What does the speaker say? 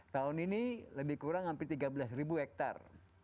tahun ini lebih kurang hampir tiga belas hektar